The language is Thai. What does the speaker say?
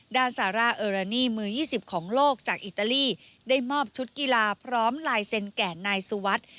ซาร่าเออรานีมือ๒๐ของโลกจากอิตาลีได้มอบชุดกีฬาพร้อมลายเซ็นแก่นายสุวัสดิ์